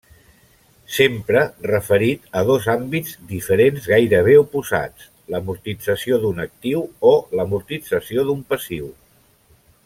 S'empra referit a dos àmbits diferents gairebé oposats: l'amortització d'un actiu o l'amortització d'un passiu.